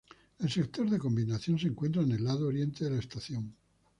El sector de combinación se encuentra en el lado oriente de la estación.